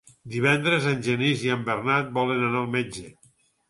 Divendres en Genís i en Bernat volen anar al metge.